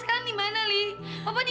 kemarin kake mau nyelakain tante ranti